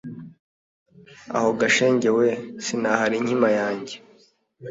aho ga shenge we sinahara inkima yanjye